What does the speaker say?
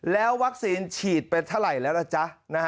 แล้ววัคซีนฉีดไปเท่าไหร่แล้วล่ะจ๊ะ